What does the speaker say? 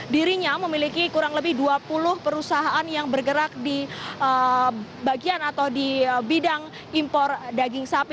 dirinya memiliki kurang lebih dua puluh perusahaan yang bergerak di bagian atau di bidang impor daging sapi